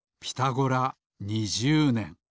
「ピタゴラ」２０ねん。